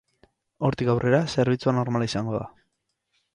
Hortik aurrera, zerbitzua normala izango da.